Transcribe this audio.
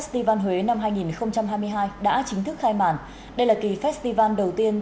thưa quý vị